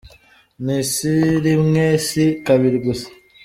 Nti si rimwe, si kabiri gusa.